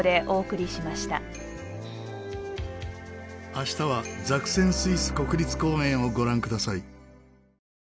明日はザクセン・スイス国立公園をご覧ください。